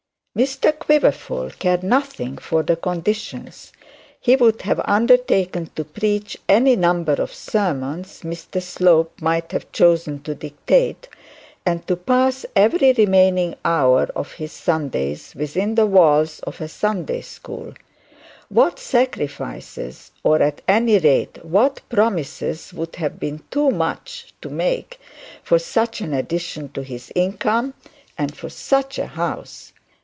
Mr Quiverful cared nothing for the conditions. He would have undertaken to preach any number of sermons Mr Slope might have chosen to dictate, and to pass every remaining hour of his Sundays within the walls of a Sunday school. What sacrifices, or, at any rate, what promises, would have been too much to make for such an addition to his income, and for such a house!